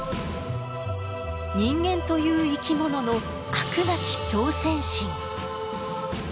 人間という生き物の飽くなき挑戦心。